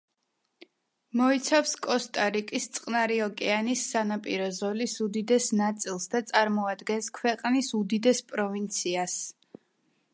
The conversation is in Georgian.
მოიცავს კოსტა-რიკის წყნარი ოკეანის სანაპირო ზოლის უდიდეს ნაწილს და წარმოადგენს ქვეყნის უდიდეს პროვინციას.